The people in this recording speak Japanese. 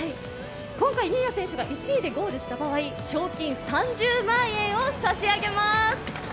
今回、新谷選手が１位で優勝した場合賞金３０万円を差し上げます。